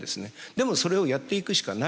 でもそれをやっていくしかない。